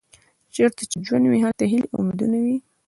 چیرته چې ژوند وي هلته هیلې او امیدونه وي.